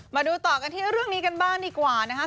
มาดูต่อกันที่เรื่องนี้กันบ้างดีกว่านะคะ